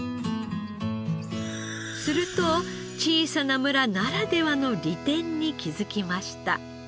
すると小さな村ならではの利点に気づきました。